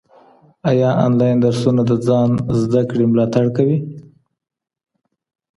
ايا انلاين درسونه د ځان زده کړې ملاتړ کوي؟